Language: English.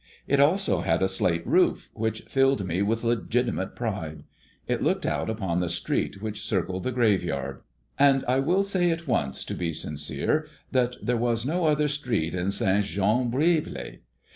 It also had a slate roof, which filled me with legitimate pride. It looked out upon the street which circled the graveyard; and I will say at once, to be sincere, that there was no other street in St. Jean Brévelay.